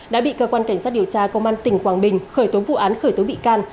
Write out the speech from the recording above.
đã bị cơ quan cảnh sát điều tra công an tỉnh quảng bình khởi tố vụ án khởi tố bị can